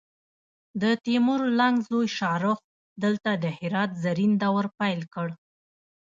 د تیمور لنګ زوی شاهرخ دلته د هرات زرین دور پیل کړ